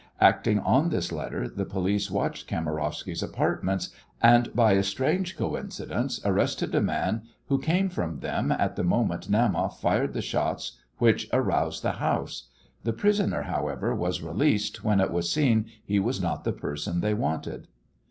Acting on this letter the police watched Kamarowsky's apartments, and by a strange coincidence arrested a man who came from them at the moment Naumoff fired the shots which aroused the house. The prisoner, however, was released when it was seen he was not the person they wanted.